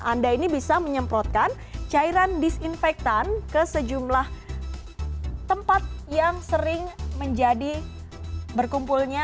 anda ini bisa menyemprotkan cairan disinfektan ke sejumlah tempat yang sering menjadi berkumpulnya